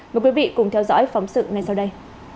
mời quý vị cùng theo dõi phóng sự ngay sau đây